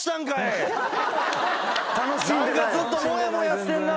ずっともやもやしてんな。